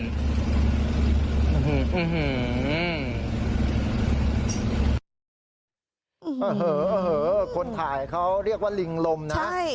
หาเหอเขาคนถ่ายเขาเรียกว่าริงลมนะ